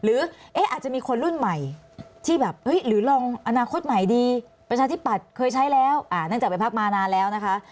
เอ๊ะอาจจะมีคนรุ่นใหม่ที่แบบหรือลองอนาคตใหม่ดีประชาธิปัตย์เคยใช้แล้วเนื่องจากไปพักมานานแล้วนะคะ